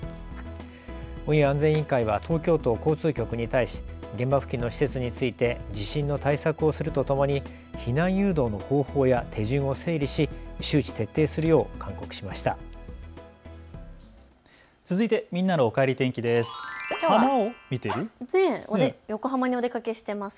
運輸安全委員会は東京都交通局に対し、現場付近の施設について地震の対策をするとともに避難誘導の方法や手順を整理し周知徹底するよう勧告しました。